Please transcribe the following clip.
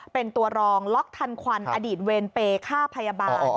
เป็นตัวรองล็อกทันควันอดีตเวรเปย์ฆ่าพยาบาล